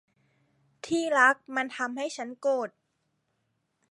ที่รัก มันทำให้ฉันโกรธ